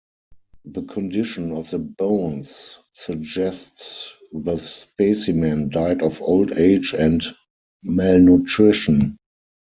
The condition of the bones suggests the specimen died of old age and malnutrition.